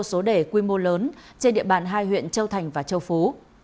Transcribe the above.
số đề quy mô lớn trên địa bàn hai huyện châu thành và châu phú